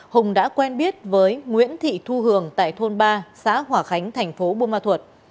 hùng đã quen biết với nguyễn thị thu hường tại thôn ba xã hỏa khánh tp bumathuot